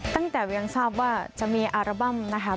ตั้งแต่ว่ายังทราบว่าจะมีอาร์บัมนะครับ